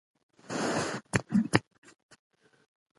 هغه مېوې چې په لمر کې وچې شوي وي خوندورې دي.